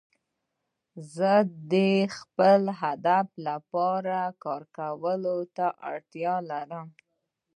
زه د خپل هدف لپاره کار کولو ته اړتیا لرم.